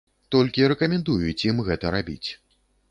Толькі рэкамендуюць ім гэта рабіць.